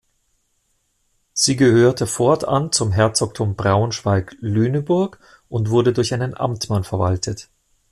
Sie gehörte fortan zum Herzogtum Braunschweig-Lüneburg und wurde durch einen Amtmann verwaltet.